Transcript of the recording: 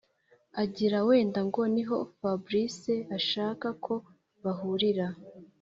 agira wenda ngo niho fabric ashaka ko bahurira.